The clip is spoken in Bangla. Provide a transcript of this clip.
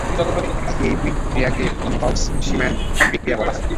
এই বিক্রিয়াকে বলজ-চিম্যান বিক্রিয়া বলা হয়।